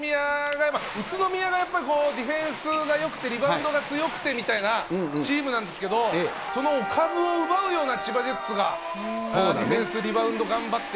宇都宮がやっぱり、ディフェンスがよくて、リバウンドが強くてみたいなチームなんですけど、そのお株を奪うような千葉ジェッツが、ディフェンス、リバウンド頑張って。